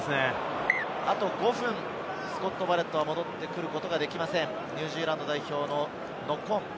あと５分、スコット・バレットは戻ってくることができません、ニュージーランド代表のノックオン。